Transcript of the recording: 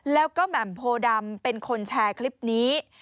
แล้วก็แหม่มโพดำเป็นคนแชร์คลิปนี้